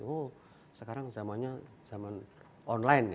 oh sekarang zamannya zaman online